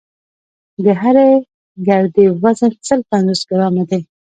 د هرې ګردې وزن سل پنځوس ګرامه دی.